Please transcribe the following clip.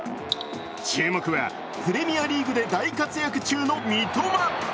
注目はプレミアリーグで大活躍中の三笘。